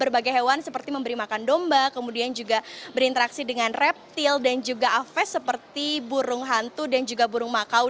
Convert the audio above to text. berbagai hewan seperti memberi makan domba kemudian juga berinteraksi dengan reptil dan juga aves seperti burung hantu dan juga burung makau